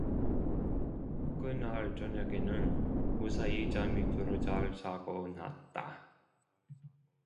그날 저녁에는 무사히 잠이 들어 잘 자고 났다.